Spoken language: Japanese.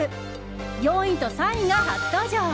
４位と３位が初登場。